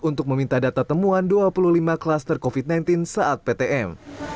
untuk meminta data temuan dua puluh lima klaster covid sembilan belas saat ptm